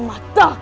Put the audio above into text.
sampai jumpa lagi